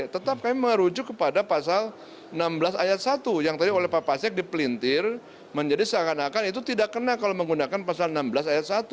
tetap kami merujuk kepada pasal enam belas ayat satu yang tadi oleh pak pasek dipelintir menjadi seakan akan itu tidak kena kalau menggunakan pasal enam belas ayat satu